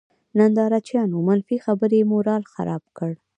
نندارچيانو، منفي خبرې یې مورال خراب کړ.